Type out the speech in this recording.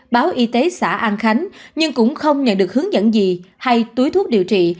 báo y tế xã an khánh nhưng cũng không nhận được hướng dẫn gì hay túi thuốc điều trị